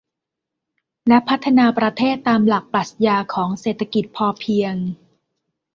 และพัฒนาประเทศตามหลักปรัชญาของเศรษฐกิจพอเพียง